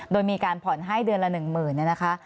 โดยมีการผ่อนให้เดือนละ๑๐๐๐เนี่ยนะคะ